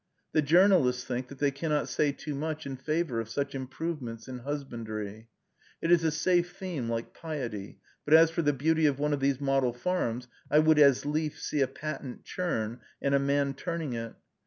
The journalists think that they cannot say too much in favor of such "improvements" in husbandry; it is a safe theme, like piety; but as for the beauty of one of these "model farms," I would as lief see a patent churn and a man turning it.